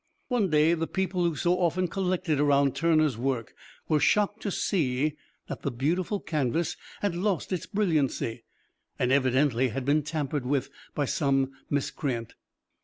One day the people who so often collected around Turner's work were shocked to see that the beautiful canvas had lost its brilliancy, and evidently had been tampered with by some miscreant.